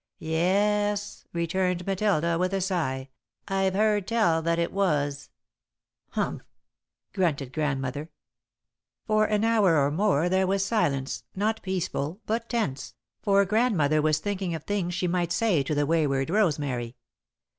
"Yes," returned Matilda, with a sigh. "I've heard tell that it was." "Humph!" grunted Grandmother. For an hour or more there was silence, not peaceful, but tense, for Grandmother was thinking of things she might say to the wayward Rosemary.